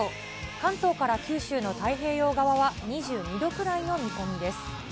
関東から九州の太平洋側は、２２度くらいの見込みです。